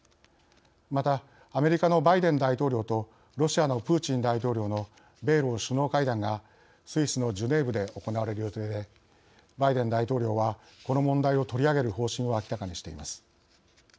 またアメリカのバイデン大統領とロシアのプーチン大統領の米ロ首脳会談がスイスのジュネーブで行われる予定でバイデン大統領はこの問題を取り上げる方針を明らかにしています。